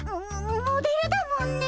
モモモデルだもんね。